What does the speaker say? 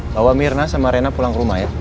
bawa mirna sama rena pulang ke rumah ya